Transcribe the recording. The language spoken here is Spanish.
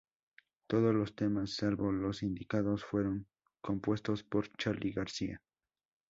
Todos los temas —salvo los indicados— fueron compuestos por Charly García.